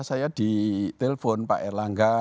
saya di telpon pak erlangga